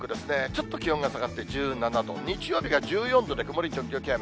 ちょっと気温が下がって１７度、日曜日が１４度で曇り時々雨。